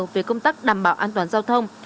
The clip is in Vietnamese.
với công tác đảm bảo an toàn giao thông